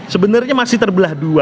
sebenarnya masih terbelah dua